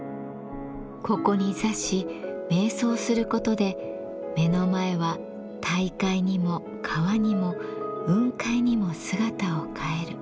ここに座し瞑想することで目の前は大海にも川にも雲海にも姿を変える。